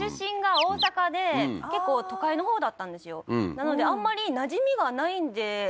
なのであんまりなじみがないんでああー